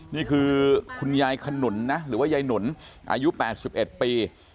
นี่คือคุณยายขนุนนะหรือว่ายายหนุนอายุ๘๑ปี